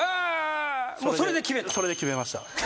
もうそれで決めた？